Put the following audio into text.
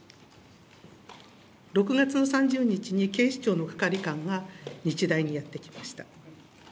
６月の３０日に警視庁の係官が、日大にやって来ました。